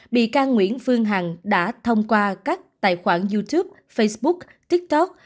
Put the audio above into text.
bị can nguyễn phương hằng đã thông qua các tài khoản youtube facebook tiktok